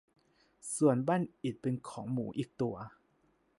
ส่วนบ้านอิฐเป็นของหมูอีกตัว